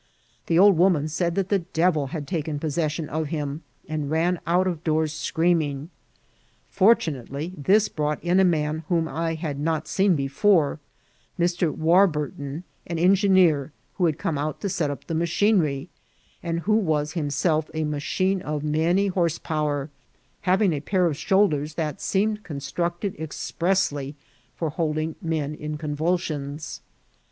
The old woman said that the devil bad taken possession of him, and ran out of doors screaming. Fcnrtunately, this brought in a man whom I had not seen before, Mr. Warburton, an engineer who had come out to set up the machinery, and who was himself a machine of many horse power, having a pair of shoulders that ▲ CRITICAL SITUATION. seemed constructed expressly for holding men in con vulsions.